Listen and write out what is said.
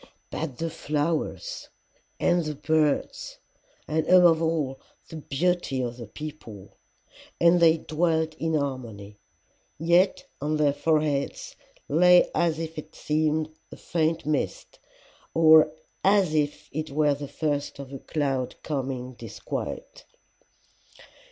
"'But the flowers! and the birds! and above all the beauty of the people! And they dwelt in harmony. Yet on their foreheads lay as it seemed a faint mist, or as it were the first of a cloud of coming disquiet.